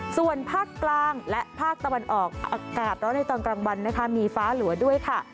ส่วนภาคกลางและภาคตะวันออกอากาศร้อนในตอนกลางวันนะคะมีฟ้าหลัวด้วยค่ะ